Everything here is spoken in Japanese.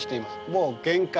もう限界。